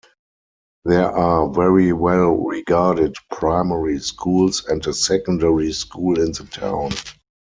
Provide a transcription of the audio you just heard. There are very well regarded primary schools and a secondary school in the town.